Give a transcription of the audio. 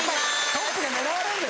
トップが狙われる。